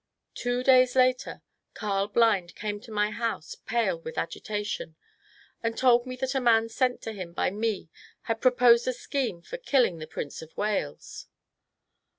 Two days later Earl Blind came to my house pale with agitation, and told me that a man sent to him by me had pro posed a scheme for killing the Prince of Wales